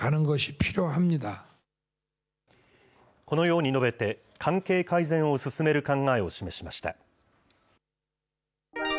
このように述べて、関係改善を進める考えを示しました。